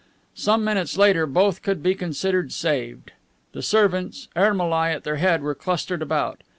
Some minutes later both could be considered saved. The servants, Ermolai at their head, were clustered about.